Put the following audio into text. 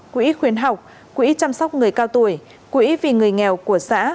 quỹ khuyến học quỹ chăm sóc người cao tuổi quỹ vì người nghèo của xã